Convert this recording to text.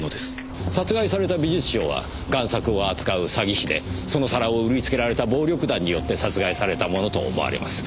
殺害された美術商は贋作を扱う詐欺師でその皿を売りつけられた暴力団によって殺害されたものと思われます。